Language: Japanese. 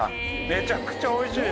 めちゃくちゃ美味しい！